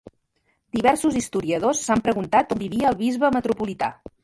Diversos historiadors s'han preguntat on vivia el bisbe metropolità.